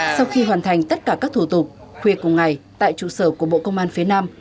sau khi hoàn thành tất cả các thủ tục khuya cùng ngày tại trụ sở của bộ công an phía nam